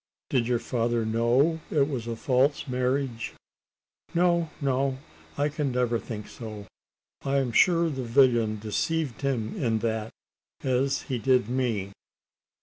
"Did your father know it was a false marriage?" "No, no; I can never think so. I am sure the villain deceived him in that, as he did me.